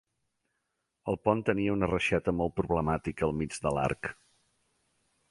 El pont tenia una reixeta molt problemàtica al mig de l'arc.